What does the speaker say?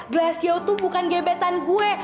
galassio tuh bukan gebetan gue